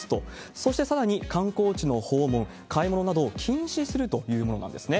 そして、さらに観光地の訪問、買い物などを禁止するというものなんですね。